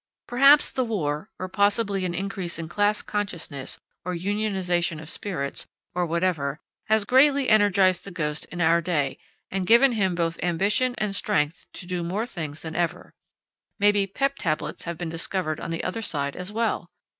Perhaps the war, or possibly an increase in class consciousness, or unionization of spirits, or whatever, has greatly energized the ghost in our day and given him both ambition and strength to do more things than ever. Maybe "pep tablets" have been discovered on the other side as well!